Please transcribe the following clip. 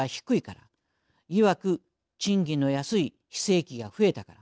いわく賃金の安い非正規が増えたから。